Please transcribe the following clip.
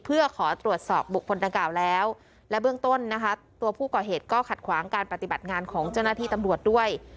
เพื่อขอตรวจสอบบุคคลดังกล่าวแล้วและเบื้องต้นนะคะตัวผู้ก่อเหตุก็ขัดขวางการปฏิบัติงานของเจ้าหน้าที่ตำรวจด้วย